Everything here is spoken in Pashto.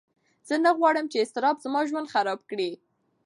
زه نه غواړم چې اضطراب زما ژوند خراب کړي.